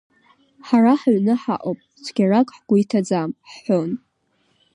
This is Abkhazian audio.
Ҳара ҳаҩны ҳаҟоуп, цәгьарак ҳгәы иҭаӡам, — ҳҳәон.